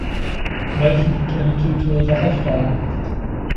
Relations between the two tours are hostile.